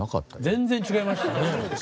全然違いましたね。